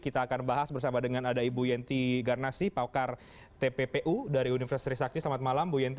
kita akan bahas bersama dengan ada ibu yenti garnasi pakar tppu dari universitas trisakti selamat malam bu yenty